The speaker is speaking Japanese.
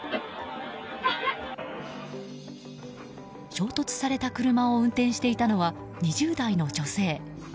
衝突された車を運転していたのは２０代の女性。